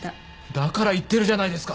だから言ってるじゃないですか